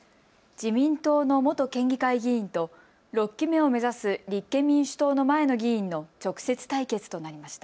自民党の元県議会議員と６期目を目指す立憲民主党の前の議員の直接対決となりました。